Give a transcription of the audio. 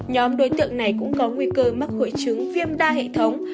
nhóm đối tượng này cũng có nguy cơ mắc hội chứng viêm đa hệ thống